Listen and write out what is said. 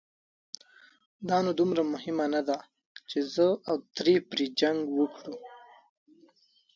دا نو دومره مهمه نه ده، چې زه او ترې پرې جنګ وکړو.